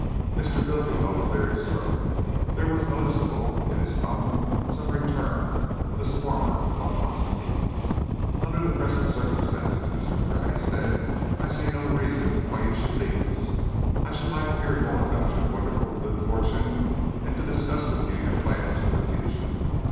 Mr. Bultiwell cleared his throat. There was noticeable in his tone some return of his former pomposity. "Under the present circumstances, Mr. Pratt," he said, "I see no reason why you should leave us. I should like to hear more about your wonderful good fortune and to discuss with you your plans for the future.